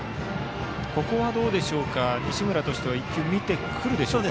ここは西村としては１球、見てくるでしょうか。